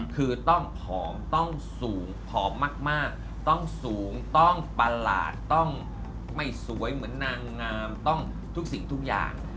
คือต้องผอมต้องสูงผอมมากต้องสูงต้องประหลาดต้องไม่สวยเหมือนนางงามต้องทุกสิ่งทุกอย่าง